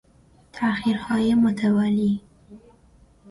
تاخیرهای متوالی